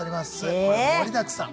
これ盛りだくさん。